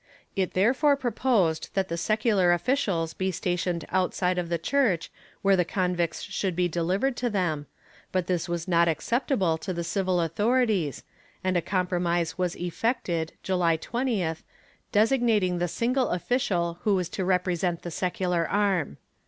It therefore proposed that the secular officials be stationed outside of the church, where the convicts could be delivered to them, but this was not acceptable to the civil authorities and a compro mise was effected, July 20th, designating the single official who was to represent the secular arm.